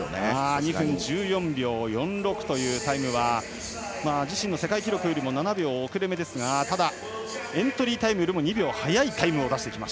２分１４秒４６というタイムは自身の世界記録より７秒と遅れめですがただ、エントリータイムより２秒速いタイム。